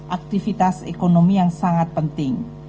aktivitas ekonomi yang sangat penting